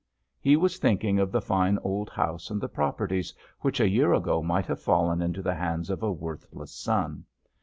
He was thinking of the fine old house and the properties which a year ago might have fallen into the hands of a worthless son.